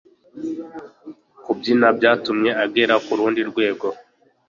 Kubyina byatumye agera kurundi rwego